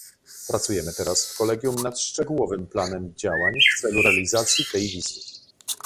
Pracujemy teraz w kolegium nad szczegółowym planem działań w celu realizacji tej wizji